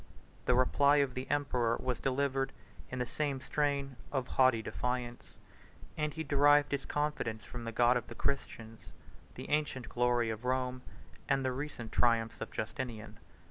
The reply of the emperor was delivered in the same strain of haughty defiance, and he derived his confidence from the God of the Christians, the ancient glory of Rome, and the recent triumphs of Justinian.